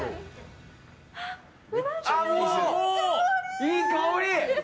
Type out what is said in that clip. いい香り！